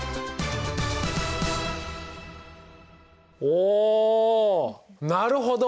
おなるほど。